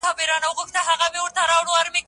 څېړنه د کومو شواهدو اړتیا لري؟